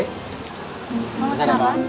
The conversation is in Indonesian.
mau pesan apa